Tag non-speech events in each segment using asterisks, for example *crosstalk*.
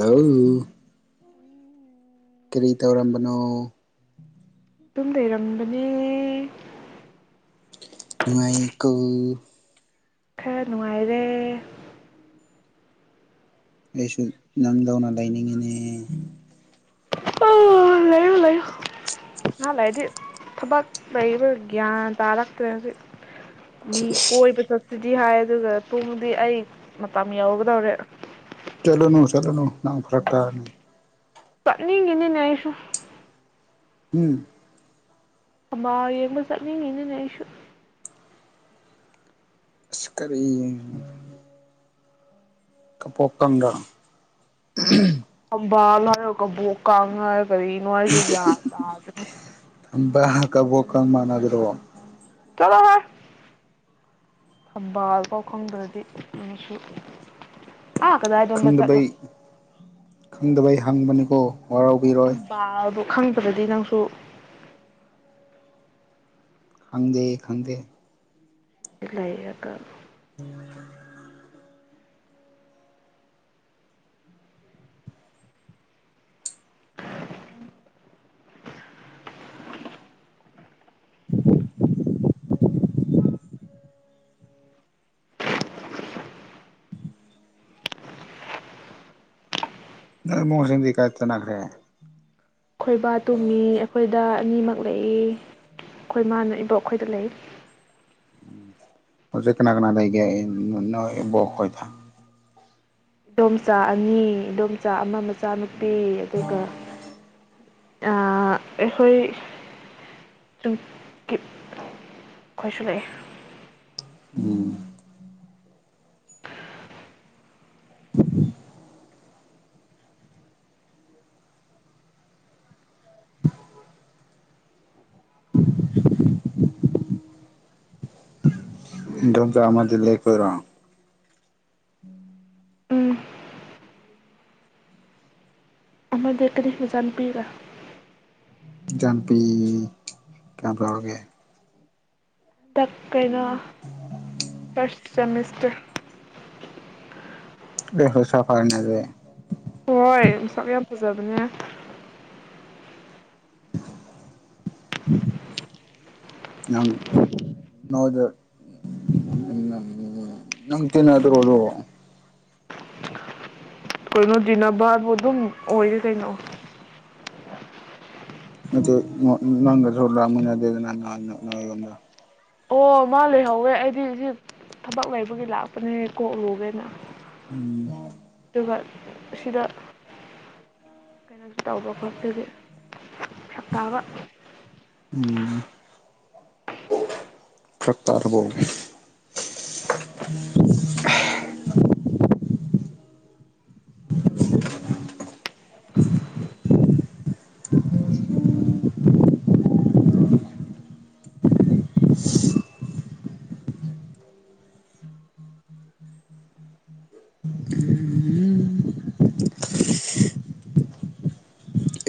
ꯍꯎ ꯎꯝ ꯀꯔꯤ ꯇꯧꯔꯝꯕꯅꯣ ꯇꯨꯝ ꯂꯩꯩꯔꯝꯕꯅꯦ ꯅꯨꯡꯉꯥꯏ ꯀꯣ ꯈꯔ ꯅꯨꯡꯉꯥꯏꯔꯦ ꯑꯩꯁꯨ ꯅꯝ ꯂꯧꯧꯅ ꯂꯩꯅꯤꯡꯉꯤꯅꯦ ꯑꯍꯥꯟ ꯂꯗꯤ ꯊꯕꯛ ꯂꯩꯕ ꯒ꯭ꯌꯥꯟ ꯇꯥꯔꯛꯇ꯭ꯔꯦꯖꯤ ꯃꯤ ꯀꯣꯏ ꯄ ꯆ ꯁꯤꯗꯤ ꯍꯥꯏ ꯑꯗꯨꯒ ꯄꯨꯡꯗꯤ ꯑꯩ ꯃꯇꯝ ꯌꯧꯒꯗꯧꯔꯦ ꯆꯠ ꯂꯨꯅꯨ ꯆꯠ ꯂꯨꯅꯨ ꯐꯔꯀ ꯇꯥꯅꯤ ꯒ ꯅꯤꯡꯅꯦꯁꯣ ꯎꯝ ꯊꯕꯥ ꯌꯦꯡꯕ ꯆꯠꯅꯤꯡꯉꯤꯅꯅꯦ ꯑꯩꯁꯨ ꯁ ꯀꯔꯤ ꯀꯄꯣꯛꯀꯪꯗ ꯀꯝꯕꯥꯜ ꯍꯥꯏ ꯀꯕꯨꯣꯛ ꯀꯥꯒ ꯐꯔꯤꯅꯅꯨꯡ ꯑꯁꯨ ꯌꯥꯗ ꯇꯗ ꯕꯣ ꯀ ꯃꯥꯅ ꯑꯗꯨ꯭ꯔꯣ ꯊꯝꯕꯥꯜ ꯄꯥꯎ ꯈꯪꯗ꯭ꯔꯗꯤ ꯃꯁꯨ ꯈꯪꯗꯕꯩ ꯈꯪꯗꯕꯩ ꯍꯪꯕꯅꯤꯀꯣ ꯋꯥꯔꯧꯕꯕꯤꯔꯣꯏ ꯈꯪꯕꯗꯗꯤ ꯅꯪꯁꯨ ꯈꯪꯗ ꯈꯪꯗꯦ ꯏ ꯂꯩꯥꯏꯑꯀ ꯍ *unintelligible* ꯃꯣꯍꯟꯁꯤꯡꯗꯤ ꯀꯥꯏꯅꯅꯥꯈꯔꯦ ꯈꯣꯏꯕꯥ ꯇꯨꯝꯃꯤ ꯑꯩꯈꯣꯏꯗ ꯑꯅꯤꯃꯛ ꯂꯩꯏ ꯈꯣꯏꯃꯅ ꯏꯕꯣꯛ ꯑꯩꯈꯣꯏꯗ ꯂꯩ ꯍꯧꯖꯤꯦ ꯀꯅꯥ ꯀꯅꯥ ꯂꯩꯕꯣꯛ ꯍꯣꯏ ꯊ ꯏꯗꯣꯝꯆꯥ ꯑꯅꯤ ꯏꯗꯣꯝꯆꯥ ꯑꯃ ꯏꯆꯥꯅꯨꯄꯤ ꯑꯗꯨꯒ ꯑꯩꯈꯣꯏ ꯈꯣꯏꯁꯨ ꯂꯩꯑꯦ ꯎꯝ *unintelligible* *unintelligible* ꯗꯝꯇ ꯑꯃꯗ ꯂꯩꯀꯔꯣ ꯎꯝ ꯑꯃꯔ ꯗ ꯀꯔꯤꯐ ꯃ ꯆꯥꯟꯕꯤꯤꯒ ꯥꯟꯄꯤ ꯀꯌꯥꯝ ꯇ ꯂꯧꯔꯒꯦ ꯗ ꯀꯩꯅ ꯐꯁ ꯁꯁ ꯠꯇ ꯂꯩ ꯍꯨ ꯁꯐꯔꯅꯖ ꯍꯣꯏ ꯁꯛ ꯌꯥꯝ ꯐꯖꯕꯅꯦ ꯅꯪ ꯅꯗ ꯅꯪ ꯇꯅ ꯑꯗꯨ꯭ꯔꯣ ꯑꯣꯏ ꯀꯣꯏꯅꯣ ꯅꯥ ꯔ ꯑꯣ ꯑꯗꯨ ꯑꯣꯏꯔ ꯀꯩꯅꯩꯅꯣ ꯅꯠꯇ ꯂꯪꯒꯔ ꯁꯂ ꯃꯗꯅ ꯑꯣ ꯃꯥ ꯂꯩꯍꯧꯋꯦ ꯑꯩꯗꯤ ꯁꯤ ꯊꯕꯛ ꯂꯩꯕꯒꯤ ꯂꯥꯛꯄꯅꯦ ꯀꯣꯛꯂꯨꯒꯦꯅ ꯎꯝ ꯁꯤꯗ ꯀꯩꯅꯣꯁꯨ ꯇꯧꯕ ꯈꯣꯄꯗꯤ ꯁꯥꯛꯇꯥꯕ ꯎꯝ ꯐ꯭ꯔꯛꯇꯥꯔꯔꯕꯣ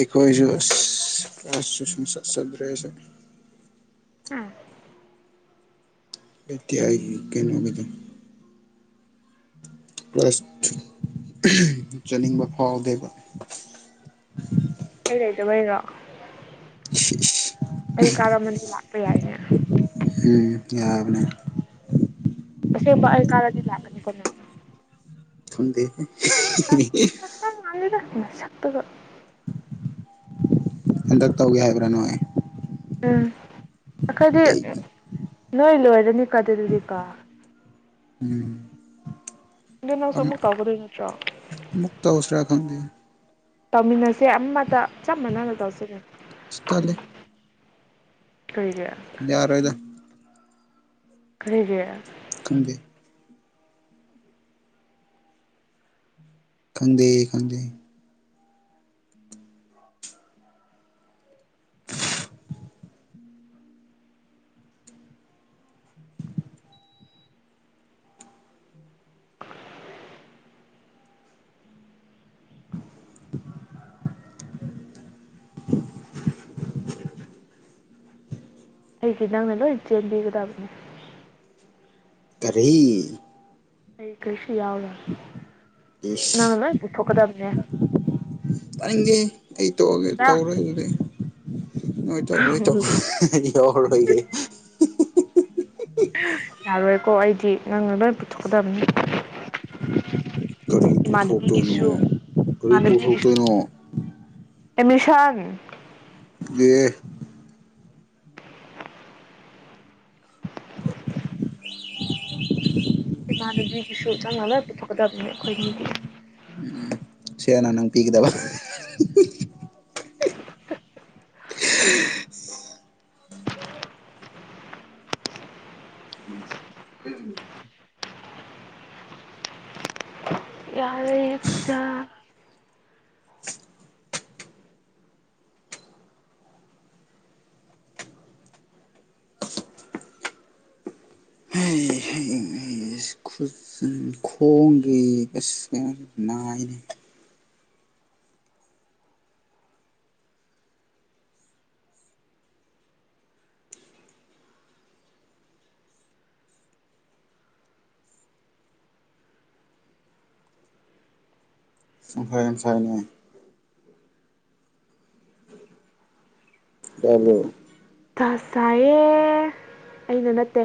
ꯏꯀꯋꯥꯏꯁꯨ ꯀꯖ ꯍ ꯂꯩꯇꯥꯏ ꯀꯩꯅꯣꯒꯤꯗ ꯆꯠꯅꯤꯡꯕ ꯐꯥꯎꯗꯦꯕ ꯑꯩ ꯂꯩꯗꯕꯩꯔꯣ ꯂꯥꯛꯄ ꯌꯥꯏꯅꯦ ꯎꯝ ꯌꯥꯕꯅꯦ ꯑꯁꯦꯡꯕ ꯑꯩ ꯀꯥꯔꯗꯤ ꯂꯥꯛꯀꯅꯤꯀꯣ ꯅ ꯊꯗꯦꯦ *unintelligible* ꯩꯅ ꯁꯛꯇꯕ ꯍꯟꯗꯛ ꯇꯧꯒꯦ ꯍꯥꯏꯕ꯭ꯔꯥ ꯅꯪꯥꯏ ꯎꯝ ꯑꯩꯈꯣꯏꯗꯤ ꯅꯣꯏ ꯂꯣꯏꯔꯅꯤꯀꯣ ꯑꯗꯨꯗꯤ ꯀꯣ ꯎꯝ ꯑꯗꯨ ꯅꯪꯁꯨ ꯑꯃ ꯑꯃꯨꯛ ꯇꯧꯒꯗꯣꯏ ꯅꯠꯇ꯭ꯔꯣ ꯑꯃꯨꯛ ꯇꯧꯁꯤꯔ ꯈꯪꯗꯦ ꯇꯧꯃꯤꯟꯅꯁꯦ ꯑꯃꯠꯇ ꯆꯞ ꯃꯥꯟꯅꯅ ꯇꯧꯁꯤ ꯀꯩꯅꯣ ꯇꯜꯂꯦ ꯀꯩꯒꯤ ꯌꯥꯔꯣꯏꯗ ꯀꯔꯤꯒꯤ ꯈꯪꯗꯦ ꯈꯪꯗꯦ ꯈꯪꯗꯦ ꯑꯩꯗꯤ ꯅꯪꯅ ꯂꯣꯏ ꯆꯦꯟꯕꯤꯒꯗꯕꯅꯦ ꯀꯔꯤ ꯑꯩ *inaudible* ꯏꯁ ꯅꯪꯅ ꯂꯣꯏ ꯄꯨꯊꯣꯛꯀꯗꯕꯅꯦ ꯇꯥꯅꯤꯡꯗꯦ ꯑꯩ ꯇꯣꯛꯑꯒꯦ ꯇꯧꯔꯣꯏ ꯑꯗꯨꯗꯤ *unintelligible* ꯅꯣꯏ ꯇꯧ ꯅꯣꯏ ꯇꯧ ꯑꯩ ꯌꯥꯎꯔꯔꯣꯏꯒꯦ ꯌꯔꯣꯏ ꯀꯣ ꯑꯩꯗꯤ ꯅꯪꯅ ꯂꯣꯏꯅ ꯄꯨꯊꯣꯛꯀꯗꯕꯅꯤ ꯀꯔꯤ ꯏꯃꯥꯟꯅꯕꯤꯒꯤꯁꯨ ꯄꯨꯊꯣꯛꯇꯣꯏꯅꯣ ꯀꯔꯤ ꯄꯨꯊꯣꯛꯇꯣꯏꯅꯣ ꯑꯦꯃꯤꯁꯟ ꯑꯦ ꯏꯃꯟꯅꯕꯤꯒꯤꯁꯨ ꯆꯪꯕ ꯂꯣꯏ ꯄꯨꯊꯣꯛꯀꯗꯕꯅꯦ ꯑꯩꯈꯣꯏꯅꯤꯒꯤ ꯁꯦꯜꯅ ꯅꯪ ꯄꯤꯒꯗꯕ *inaudible* *inaudible* ꯌꯥꯔꯦ ꯆꯥꯛ ꯈꯣꯡꯒꯤ ꯑꯁ ꯀꯩꯅꯣ ꯅꯥꯏꯅꯦ ꯁꯪꯐꯥꯏ *inaudible* ꯇꯕ꯭ꯔꯣ ꯇ ꯁꯥꯏꯌꯦ ꯑꯩꯅ ꯅꯠꯇꯦ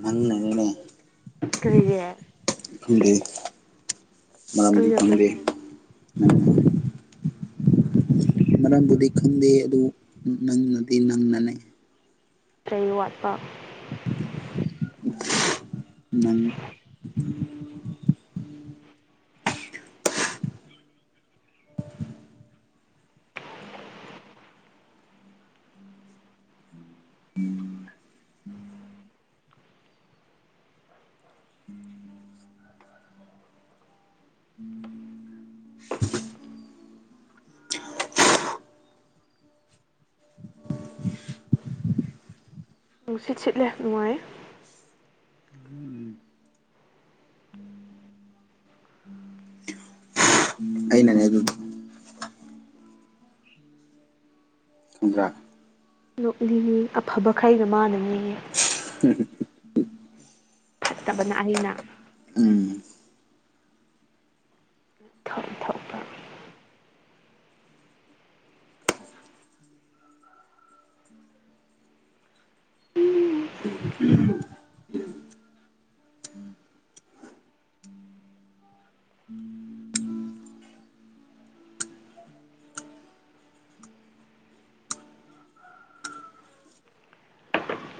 ꯅꯪ ꯅꯅꯤꯅꯦ ꯀꯔꯤꯒꯤ ꯈꯣꯗꯦ ꯃꯔꯝꯗꯤ ꯑꯩꯅ ꯀꯔꯤ ꯈꯪꯗꯦ *inaudible* ꯇꯧ ꯃꯔꯝꯕꯨꯗꯤ ꯈꯪꯗꯦ ꯑꯗꯨ ꯅꯪꯅꯗꯤ ꯅꯪꯅꯅꯦ ꯆꯩ ꯋꯥꯠꯄ ꯅꯪ ꯅꯨꯡꯁꯤꯠ ꯁꯤꯠꯂꯦ ꯅꯨꯡꯉꯥꯏ ꯑꯩꯅꯅꯦ ꯑꯗꯨ ꯈꯪꯕ꯭ꯔꯥ ꯅꯣꯛꯅꯤꯉꯦ ꯑꯐꯕ ꯈꯩꯅ ꯃꯥꯟꯅꯅꯤꯌꯦ ꯐꯠꯇꯕꯅ ꯑꯩꯅ ꯎꯝ ꯊꯧ ꯊꯧꯄ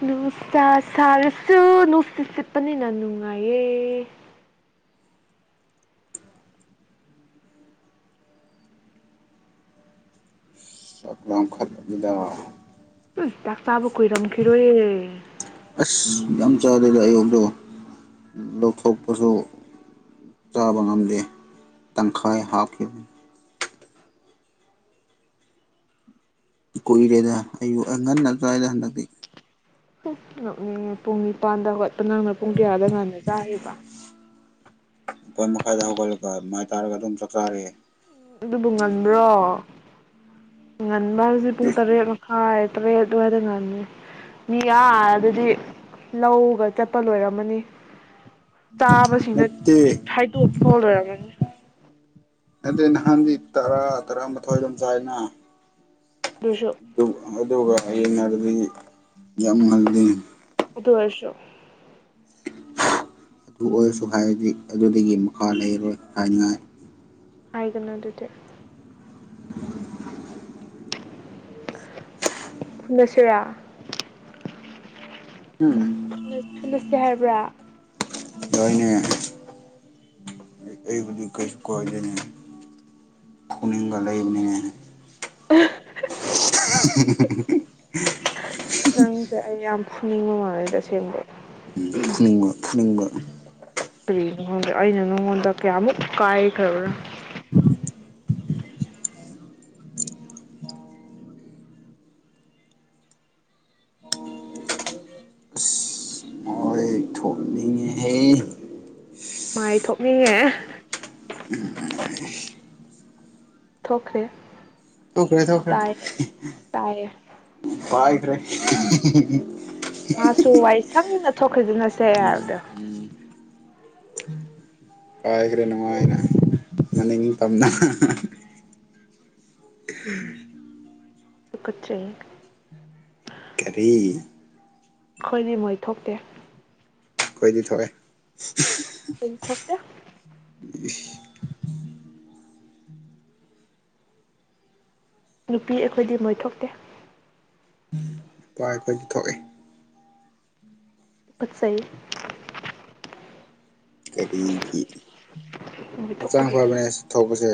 ꯅꯨꯡꯁ ꯁꯥꯔꯁꯨ ꯅꯨꯡꯁꯤꯠ ꯁꯤꯠꯄꯅꯤꯅ ꯅꯨꯡꯉꯥꯏꯌꯦ ꯆꯄꯝ ꯈꯗꯕꯤꯗ ꯆꯥꯛ ꯆꯥꯕ ꯀꯨꯏꯔꯝꯈꯤꯔꯣꯏꯌꯦ ꯑꯁ ꯌꯥꯝ ꯆꯥꯗꯦꯗ ꯑꯌꯨꯛꯇꯣ ꯂꯧꯊꯣꯛꯄꯁꯨ ꯆꯥꯕ ꯉꯝꯗꯦ ꯇꯪꯈꯥꯏ ꯍꯥꯞꯈꯤꯕꯅꯤ ꯀꯨꯏꯔꯦꯗ ꯑꯌꯨꯛ ꯉꯟꯅ ꯑꯗꯨ꯭ꯋꯥꯏꯗ ꯍꯟꯗꯛꯇꯤ ꯄꯨꯡ ꯅꯤꯄꯥꯟꯗ ꯍꯣꯠꯄ ꯅꯪꯅ ꯄꯨꯡ ꯀꯌꯥꯥꯗ ꯉꯟꯅ ꯆꯥꯔꯤꯕ ꯅꯤꯄꯟ ꯃꯈꯥꯏꯗ ꯍꯧꯒꯠꯂꯦꯀꯣ ꯃꯥꯏ ꯇꯥꯔꯒ ꯑꯗꯨꯝ ꯆꯥꯛ ꯆꯔꯛꯑꯦ ꯑꯗꯨꯕꯨ ꯉꯟꯕ꯭ꯔꯣ ꯉꯟꯕ ꯍꯥꯏꯁꯦ ꯄꯨꯡ ꯑꯦ ꯇꯔꯦꯠ ꯃꯈꯥꯏ ꯇꯔꯦꯠ ꯑꯗꯨꯋꯥꯏꯗ ꯉꯟꯅꯤ ꯃꯤ ꯑꯗꯨꯗꯤ ꯂꯧꯒ ꯆꯠꯄ ꯂꯣꯏꯔꯝꯃꯅꯤ ꯆꯥꯕꯁꯤ ꯅꯠꯇꯦ ꯈꯥꯏꯗꯣꯛꯄ ꯂꯣꯏꯔꯝꯃꯅꯤ ꯑꯗꯨ ꯅꯍꯥꯟꯗꯤ ꯇꯔꯥ ꯇꯔꯥꯃꯊꯣꯏ ꯑꯗꯨꯝ ꯆꯥꯏꯅ ꯑꯗꯨꯁꯨ ꯑꯗꯨ ꯑꯗꯨ ꯑꯗꯨꯒꯕ ꯍꯌꯦꯡꯅꯔꯗꯤ ꯌꯥꯝ ꯉꯜꯗꯤ ꯑꯗꯨ ꯑꯣꯏꯔꯁꯨ ꯑꯗꯨ ꯑꯣꯏꯔꯁꯨ ꯍꯥꯏꯔꯗꯤ ꯑꯗꯨꯗꯒꯤ ꯃꯈꯥ ꯂꯩꯔꯣꯏ ꯍꯥꯏꯅꯤꯡꯉꯥꯏ ꯍꯥꯏꯒꯅ ꯑꯗꯨꯗꯤ ꯐ ꯅꯁꯔꯥ ꯎꯝ ꯈꯂꯁꯤꯦ ꯍꯥꯏꯔꯕ꯭ꯔꯥ ꯗꯣꯏꯅ ꯑꯩ ꯀꯣꯣꯏꯗꯅꯤ ꯒ ꯂꯩꯕꯅꯤꯅꯦ ꯎ ꯎ ꯅꯪꯁꯦ ꯑꯩ ꯌꯥꯝ ꯐꯨꯅꯤꯡ ꯃꯃꯥꯡꯉꯩꯗ ꯑꯁꯦꯡꯕꯩ ꯐꯨꯅꯤꯡꯕ ꯐꯨꯅꯤꯡꯕ ꯀꯔꯤ ꯅꯪꯉꯣꯟꯗ ꯑꯩꯅ ꯅꯉꯣꯟꯗ ꯀꯌꯥꯃꯨꯛ ꯀꯥꯏꯈ꯭ꯔꯕ꯭ꯔꯥ ꯍꯣꯏ ꯊꯣꯛꯅꯤꯡꯉꯦꯍꯦ ꯃꯣꯏ ꯊꯣꯛꯅꯤꯡꯉꯦ ꯊꯣꯛꯈ꯭ꯔꯦ ꯊꯣꯛꯈ꯭ꯔꯦ ꯊꯧꯈ꯭ꯔꯦ ꯇꯥꯏꯌꯦ ꯇꯥꯏꯌꯦ *inaudible* ꯃꯥꯁꯨ ꯋꯥꯏ ꯁꯪꯅ ꯊꯣꯛꯈ꯭ꯔꯦꯗꯅ ꯁꯦ ꯎꯝ ꯎꯝ ꯄꯥꯏꯈ꯭ꯔꯦ ꯅꯨꯡꯉꯥꯏꯅ ꯃꯅꯤꯡꯇꯝꯅ ꯇꯨꯀꯠꯆꯩ ꯍꯦ ꯀꯔꯤ ꯑꯩꯈꯣꯏꯅꯦ ꯃꯣꯏ ꯊꯣꯛꯇꯦ ꯑꯩꯈꯣꯏꯗꯤ ꯊꯣꯛꯑꯦ ꯑꯩꯈꯣꯏꯗꯤ ꯊꯣꯛꯑꯦ ꯅꯨꯄꯤ ꯑꯩꯈꯣꯏꯗꯤ ꯃꯣꯏ ꯊꯣꯛꯇꯦ ꯄꯥ ꯑꯩꯈꯣꯏꯒꯤ ꯊꯣꯛꯏ ꯇꯨꯀꯠꯆꯩꯑꯦ ꯀꯔꯤꯒꯤ ꯃꯣꯏ ꯍꯛꯆꯥꯡ ꯊꯣꯛꯄꯒꯤ ꯐꯕꯅꯦ ꯊꯣꯛꯄꯁꯦ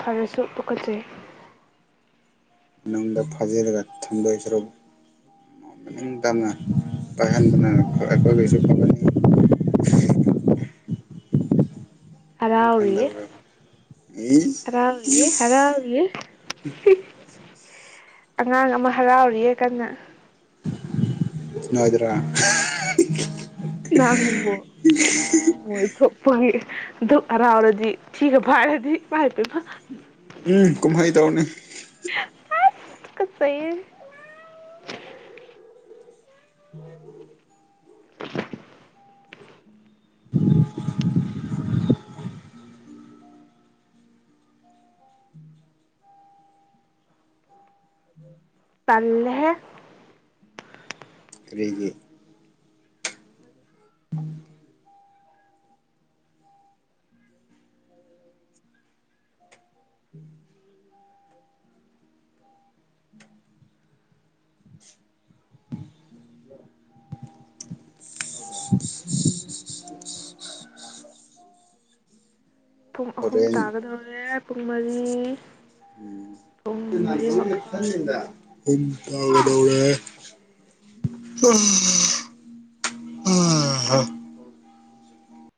ꯐꯔꯁꯨ ꯇꯨꯀꯠꯆꯩ ꯃꯅꯨꯡꯗ ꯐꯥꯖꯤꯜꯂ ꯊꯗꯣꯏ ꯁꯔꯨꯛ ꯃꯅꯤꯡ ꯇꯝꯅ ꯄꯥꯏꯍꯟꯗꯅ ꯑꯩꯈꯣꯏꯒꯁꯨ ꯐꯒꯅꯤ ꯍꯔꯥꯎꯔꯤꯌꯦ ꯈꯪꯗꯕ꯭ꯔꯕ ꯏꯁ ꯍꯔꯥꯎꯔꯤꯌꯦ ꯍꯔꯥꯎꯔꯤꯌꯦ ꯑꯉꯥꯡ ꯑꯃ ꯍꯔꯥꯎꯔꯤꯌꯦ ꯀꯟꯅ ꯅꯣꯏꯗꯨꯔꯣ ꯅꯪꯕꯣ *unintelligible* ꯑꯗꯨꯛ ꯍꯔꯥꯎꯔꯗꯤ *unintelligible* ꯎꯝ ꯀꯨꯝꯍꯩ ꯇꯧꯅꯤ ꯑꯁ ꯇꯨꯀꯠꯆꯩꯌꯦ ꯇꯜꯂꯦꯍꯦ ꯀꯔꯤꯒꯤ ꯄꯨꯡ ꯑꯍꯨꯝ ꯍꯣꯔꯦꯟ ꯇꯥꯒꯗꯧꯔꯦ ꯄꯨꯡ ꯃꯔꯤ ꯄꯨꯡ ꯃꯔꯤ ꯃꯈꯥꯏ ꯎꯝ ꯇꯥꯒꯗꯧꯔꯦ